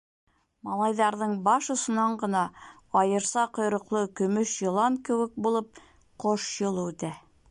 Малайҙарҙың баш осонан ғына, айырса ҡойроҡло көмөш йылан кеүек булып, Ҡош Юлы үтә.